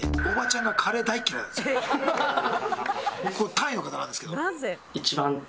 タイの方なんですけど。